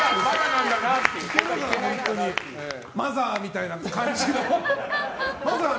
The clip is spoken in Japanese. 「マザー」みたいな感じのゲーム。